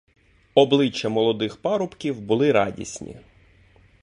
Обличчя молодих парубків були радісні.